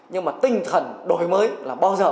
nhưng mà tinh thần đổi mới là bao giờ